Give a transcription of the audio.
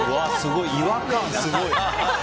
違和感すごい。